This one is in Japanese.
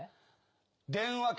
電話かけ